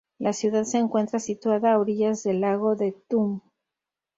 La ciudad se encuentra situada a orillas del lago de Thun.